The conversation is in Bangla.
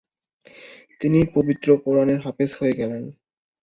তিনি পবিত্র কোরআনের হাফেজ হয়ে গেলেন।